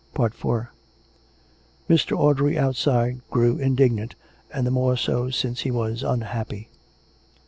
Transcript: IV Mr. Audrey outside grew indignant, and the more so since he was unhappy.